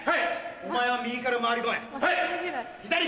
お前は右から回り込め。